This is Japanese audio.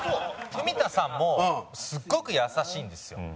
文田さんもすごく優しいんですよ。